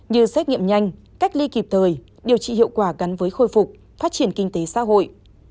như xét nghiệm nhanh cách ly kịp thời điều trị hiệu quả gắn với khôi phục phát triển kinh tế xã hội